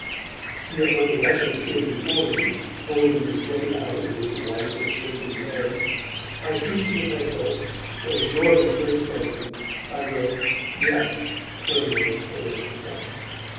Yet when the usher stood before me, holding the slate out in his white and shaking hand, I seized the pencil, and, ignoring the first question, I wrote 'Yes' firmly against the second.